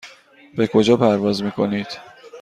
به کجا پرواز میکنید؟